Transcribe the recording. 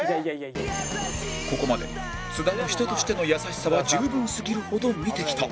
ここまで津田の人としての優しさは十分すぎるほど見てきた